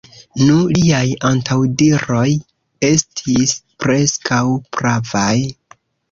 Nu, liaj antaŭdiroj estis preskaŭ pravaj!